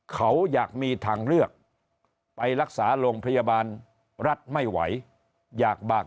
เขาอยากมีทางเลือกไปรักษาโรงพยาบาลรัฐไม่ไหวอยากบาก